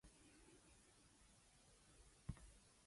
All Sadarak villages came under attack.